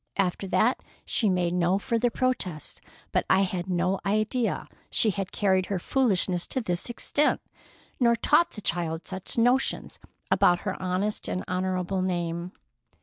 After that she made no further protest. But I had no idea she had carried her foolishness to this extent, nor taught the child such notions about her honest and honorable name."